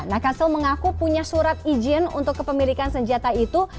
nah kastil mengaku punya surat izin untuk kepemilikan senjata itu